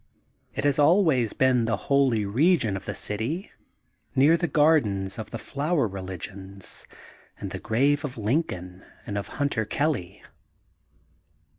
It has always been the holy region of the city, near the Gardens of the Flower Religions and the Grave of Lin coln and of Hunter Kelly.